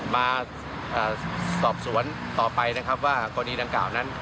มาสอบสวนต่อไปนะครับว่ากรณีดังกล่าวนั้น